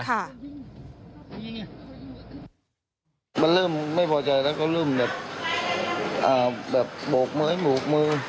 มันเริ่มไม่พอใจแล้วก็เริ่มแบบโบกไม้โบกมือ